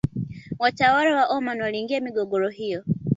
Watawala wa omani waliingilia migogoro hiyo